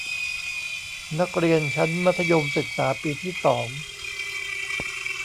นักเรียนชั้นมัธยมศึกษาปีที่สอง